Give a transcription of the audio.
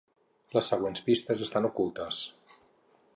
Les següents pistes estan ocultes.